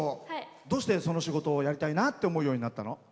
どうしてその仕事をやりたいなと思うようになったの？